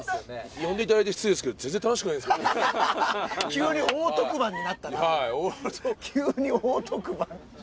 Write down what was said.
呼んでいただいて失礼ですけど急に大特番になったな急に大特番